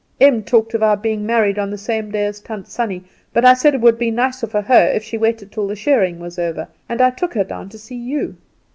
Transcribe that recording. Em talked of our being married on the same day as Tant Sannie; but I said it would be nicer for her if she waited till the shearing was over, and I took her down to see you.